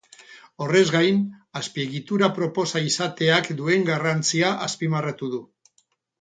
Horrez gain, azpiegitura aproposa izateak duen garrantzia azpimarratu du.